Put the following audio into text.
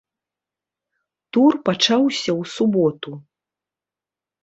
Тур пачаўся ў суботу.